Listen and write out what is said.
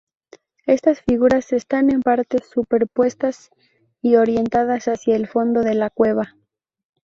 Estas figuras están en parte superpuestas y orientadas hacia el fondo de la cueva.